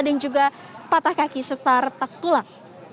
dan juga patah kaki setara tak tulang